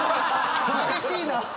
激しいな。